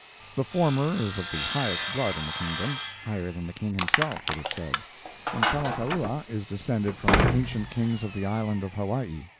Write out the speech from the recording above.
The former is of the highest blood in the kingdom—higher than the King himself, it is said—and Kalakaua is descended from the ancient Kings of the island of Hawaii.